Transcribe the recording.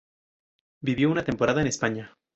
Vivió una temporada en España.